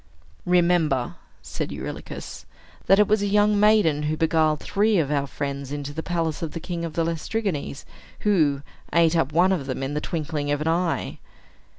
"Remember," said Eurylochus, "that it was a young maiden who beguiled three of our friends into the palace of the king of the Laestrygons, who ate up one of them in the twinkling of an eye."